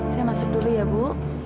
saya masuk dulu ya bu